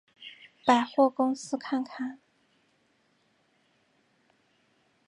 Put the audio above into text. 百货公司看看